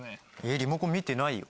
リモコン見てないよ。